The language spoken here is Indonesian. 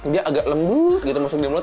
dia agak lembu gitu masuk di mulut